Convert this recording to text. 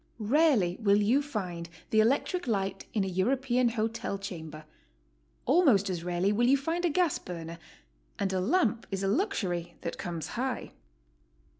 Rarely will you find the electric light in a European hotel chamber; almost as rareTy will you find a gas burner; and a lamp is a luxury that comes high.